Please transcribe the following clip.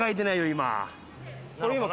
今。